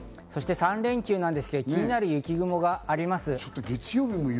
そして３連休ですが、気になる雪雲があります。